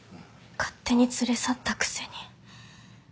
勝手に連れ去ったくせに。